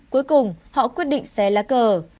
cuối cùng họ quyết định xé lá cờ